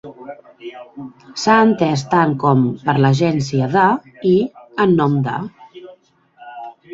S'ha entès tan com "per l'agència de" i "en nom de".